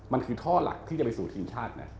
มันคือท่อหลักที่จะไปสู่ทีมชาตินะ